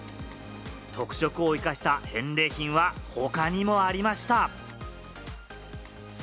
特色を生かした返礼品は他にもありました。